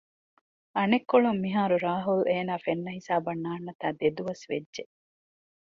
އަނެއްކޮޅުން މިހާރު ރާހުލް އޭނާ ފެންނަ ހިސާބަށް ނާންނަތާ ދެދުވަސް ވެއްޖެ